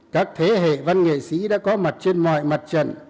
các thế hệ văn nghệ sĩ đã có mặt trên mọi mặt trận